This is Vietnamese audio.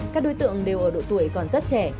các đối tượng đều ở độ tuổi còn rất trẻ